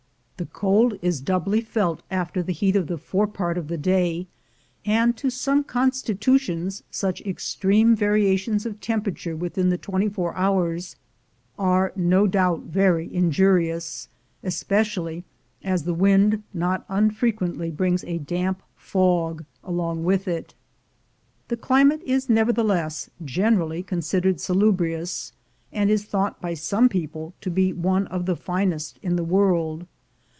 The cold is doubly felt after the heat of the fore part of the day, and to some constitutions such extreme variations of temperature within the twenty four hours are no doubt very injurious, espe cially as the wind not unfrequently brings a damp fog along with it. The climate is nevertheless generally considered salubrious, and is thought by some people to be one of the finest in the world.